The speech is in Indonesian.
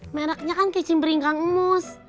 mereknya kan kicimpring kang emus